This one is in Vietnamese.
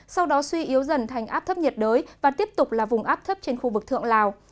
sau đó suy yếu dần thành áp thấp nhiệt đới và tiếp tục là vùng áp thấp trên khu vực thượng lào